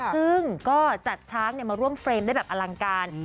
ซึ่งก็จัดช้างมาร่วมเฟรมได้แบบอลังการ